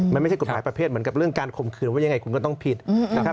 มันไม่ใช่กฎหมายประเภทเหมือนกับเรื่องการข่มขืนว่ายังไงคุณก็ต้องผิดนะครับ